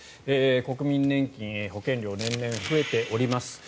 国民年金保険料が年々増えております。